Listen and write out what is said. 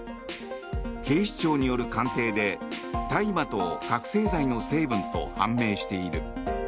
警視庁による鑑定で大麻と覚醒剤の成分と判明している。